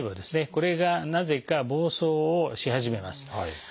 これがなぜか暴走をし始めます。